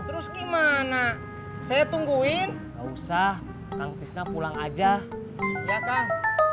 terus gimana saya tungguin gak usah kang krisna pulang aja ya kang